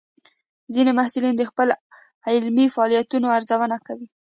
ځینې محصلین د خپل علمي فعالیتونو ارزونه کوي.